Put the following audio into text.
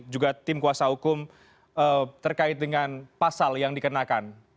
juga tim kuasa hukum terkait dengan pasal yang dikenakan